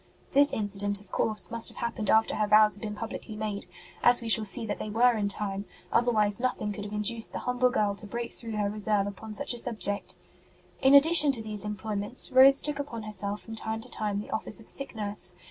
This incident, of course, must have happened after her vows had been publicly made, as we shall see that they were in time; otherwise nothing could have induced the humble girl to break through her reserve upon such a subject. In addition to these employments, Rose took upon herself from time to time the office of sick nurse.